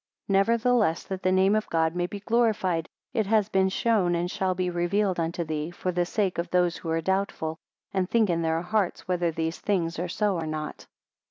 49 Nevertheless, that the name of God may be glorified, it has been shown and shall be revealed unto thee, for the sake of those who are doubtful, and think in their hearts whether these things are so or not.